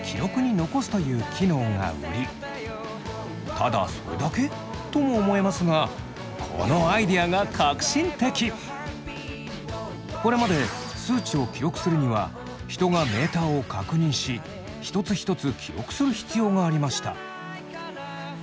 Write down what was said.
「ただそれだけ？」とも思えますがこれまで数値を記録するには人がメーターを確認し一つ一つ記録する必要がありました。